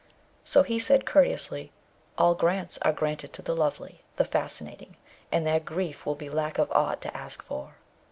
So he said courteously, 'All grants are granted to the lovely, the fascinating; and their grief will be lack of aught to ask for?'